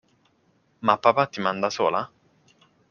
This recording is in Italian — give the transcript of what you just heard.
Ma papà ti manda sola?